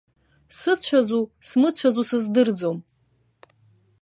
Сыцәазу, смыцәазу сыздырӡом.